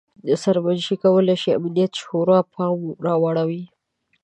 سرمنشي کولای شي امنیت شورا پام راواړوي.